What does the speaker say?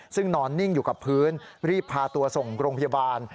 ซึ่งนอนนิ่งอยู่กับพื้นรีบพาตัวส่งโรงพยาบาล